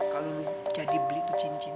kalo lu jadi beli tuh cincin